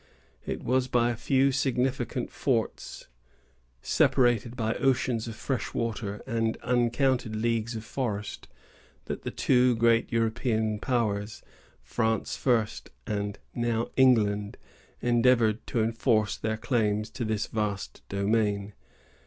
It was by a few insignificant forts, separated by oceans of fresh water and uncounted leagues of forest, that the two great European powers, France first, and now England, endeavored to enforce their claims to this vast domain.